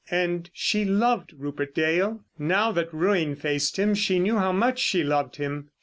And she loved Rupert Dale. Now that ruin faced him she knew how much she loved him.